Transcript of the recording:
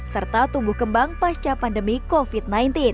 serta tumbuh kembang pasca pandemi covid sembilan belas